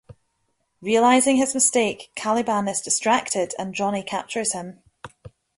Realizing his mistake, Caliban is distracted and Johnny captures him.